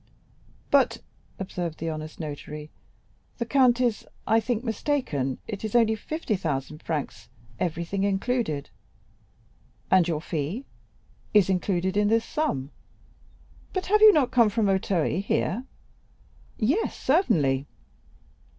"But," observed the honest notary, "the count is, I think, mistaken; it is only fifty thousand francs, everything included." "And your fee?" "Is included in this sum." "But have you not come from Auteuil here?" "Yes, certainly."